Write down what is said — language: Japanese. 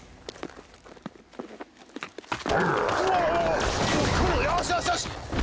うわわわよしよしよし！